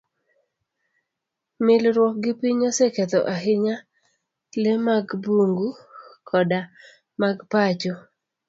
Milruok gi piny oseketho ahinya le mag bungu koda mag pacho.